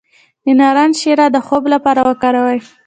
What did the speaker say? د نارنج شیره د خوب لپاره وکاروئ